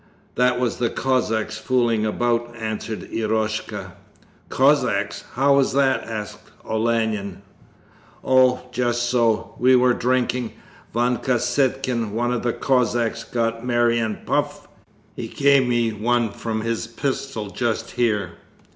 'That was the Cossacks fooling about,' answered Eroshka. 'Cossacks? How was that?' asked Olenin. 'Oh, just so. We were drinking. Vanka Sitkin, one of the Cossacks, got merry, and puff! he gave me one from his pistol just here.'